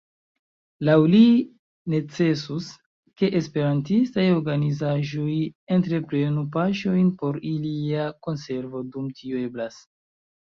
Laŭ li necesus, ke esperantistaj organizaĵoj entreprenu paŝojn por ilia konservo, dum tio eblas.